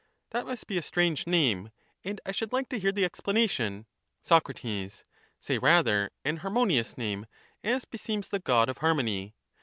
That must be a strange name, and I should like to hear the explanation. Sac. Say rather an harmonious name, as beseems the God of Harmony.